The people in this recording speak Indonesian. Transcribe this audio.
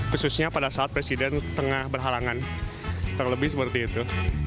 khususnya pada saat presiden tengah berhalangan terlebih seperti itu